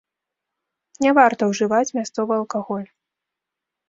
Не варта ўжываць мясцовы алкаголь.